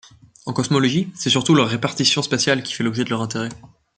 En cosmologie, c'est surtout leur répartition spatiale qui fait l'objet de leur intérêt.